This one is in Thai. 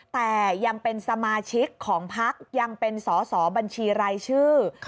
แต่ยังเป็นสมาชิกของพักยังเป็นสอสอบัญชีรายชื่อ